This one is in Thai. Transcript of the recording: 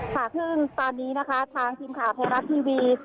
ถ้าว่าตอนนี้นะคะทางทีมข่าวแฟราสทีวี